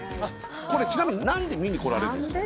これちなみに何で見に来られるんですか？